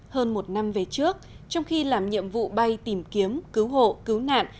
hơn một năm về trước trong khi làm nhiệm vụ bay tìm kiếm cứu hộ cứu nạn